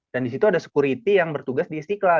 dan disitu ada security yang bertugas di istiqlal